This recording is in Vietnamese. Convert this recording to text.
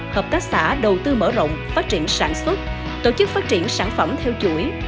hợp tác xã đầu tư mở rộng phát triển sản xuất tổ chức phát triển sản phẩm theo chuỗi